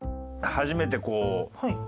初めてこう。